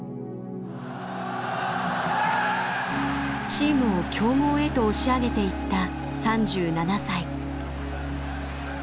チームを強豪へと押し上げていった３７歳。